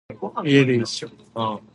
我是猪鼻吧